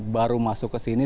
baru masuk ke sini